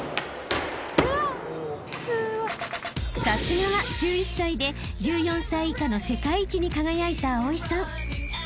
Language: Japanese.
［さすがは１１歳で１４歳以下の世界一に輝いた葵さん］